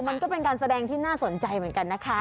มันก็เป็นการแสดงที่น่าสนใจเหมือนกันนะคะ